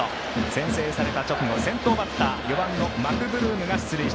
先制された直後、先頭バッター４番のマクブルームが出塁。